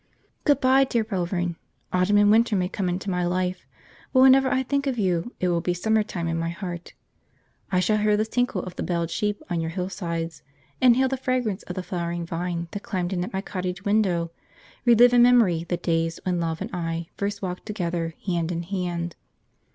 Good bye, dear Belvern! Autumn and winter may come into my life, but whenever I think of you it will be summer time in my heart. I shall hear the tinkle of the belled sheep on the hillsides; inhale the fragrance of the flowering vine that climbed in at my cottage window; relive in memory the days when Love and I first walked together, hand in hand.